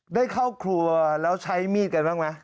ได้เข้าครัวแล้วใช้มีดกันบ้างไหม